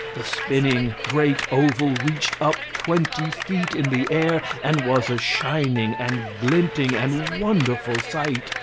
The spinning great oval reached up twenty feet in the air and was a shining and glinting and wonderful sight.